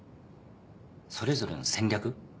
それぞれの戦略？